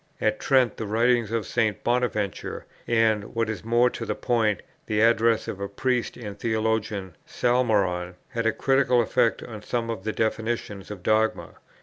At Trent, the writings of St. Bonaventura, and, what is more to the point, the address of a Priest and theologian, Salmeron, had a critical effect on some of the definitions of dogma.